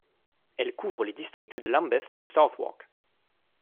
Elle couvre les districts de Lambeth et Southwark.